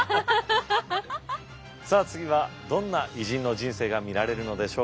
さあ次はどんな偉人の人生が見られるのでしょうか？